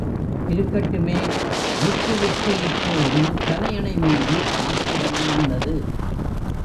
இருக்கட்டுமே! ருக்குவுக்கு இப்போது தலையணை மீது ஆத்திரம் வந்தது.